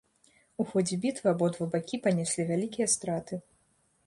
У ходзе бітвы абодва бакі панеслі вялікія страты.